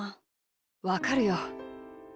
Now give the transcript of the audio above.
わかるよ。